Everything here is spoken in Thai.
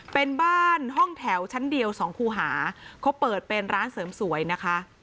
เป็นบ้านห้องแถวชั้นเดียวสองคู่หาเขาเปิดเป็นร้านเสริมสวยนะคะ